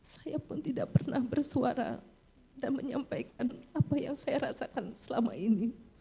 saya pun tidak pernah bersuara dan menyampaikan apa yang saya rasakan selama ini